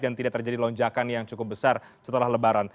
dan tidak terjadi lonjakan yang cukup besar setelah lebaran